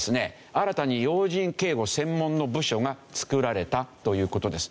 新たに要人警護専門の部署が作られたという事です。